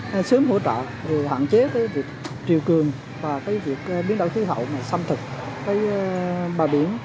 hỗ trợ rồi hạn chế cái việc triều cường và cái việc biến đổi khí hậu mà xâm thực cái bà biển